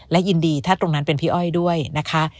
และยินดีถ้าตรงนั้นเป็นพี่อ้อยด้วยนะคะ